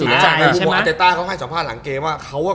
อาเจตต้าเขาให้สัมภาษณ์หลังเกมว่า